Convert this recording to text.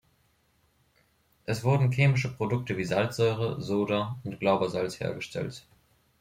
Es wurden chemische Produkte wie Salzsäure, Soda und Glaubersalz hergestellt.